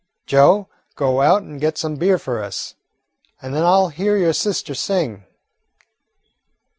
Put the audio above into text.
"Joe, go out and get some beer for us, and then I 'll hear your sister sing."